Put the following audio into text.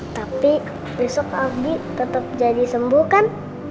tapi besok abie tetep jadi sembuh kan